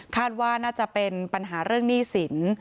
ว่าน่าจะเป็นปัญหาเรื่องหนี้สิน